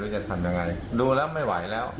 จะทำยังไงดูแล้วไม่ไหวแล้ว